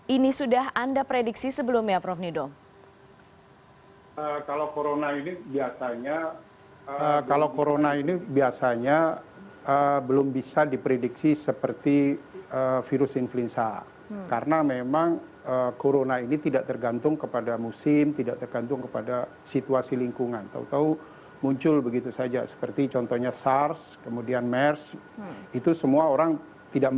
ini sudah anda prediksi sebelumnya prof nidom